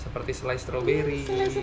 seperti selai stroberi